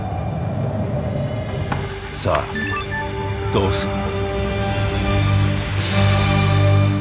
さあどうする？